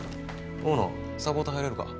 大野サポート入れるか。